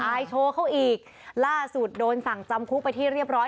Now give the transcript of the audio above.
โชว์เขาอีกล่าสุดโดนสั่งจำคุกไปที่เรียบร้อย